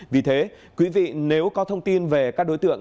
vì thế quý vị nếu có thông tin về các đối tượng